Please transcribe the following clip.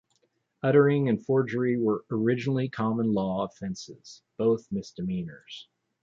Uttering and forgery were originally common law offences, both misdemeanours.